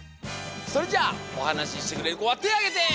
それじゃあおはなししてくれるこはてあげて！